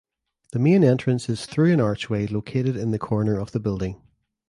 The main entrance is through an archway located in the corner of the building.